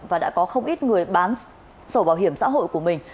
và đã có không ít người bán sổ bảo hiểm xã hội của mình